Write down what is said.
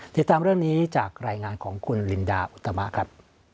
ติดตามเรื่องนี้จากรายงานของคุณลินดาอุตมะครับ